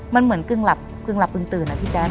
มันเหมือนกึ่งหลับกึ่งตื่นอะพี่แจ๊ะ